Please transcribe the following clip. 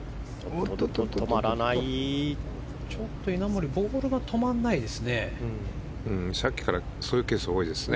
ちょっと稲森はボールが止まらないですね。